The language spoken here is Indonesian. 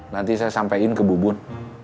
nanti saya sampaikan ke bubun